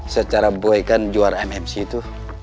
secara boy kan juara mmc itu